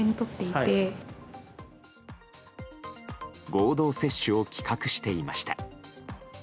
合同接種を企画していました。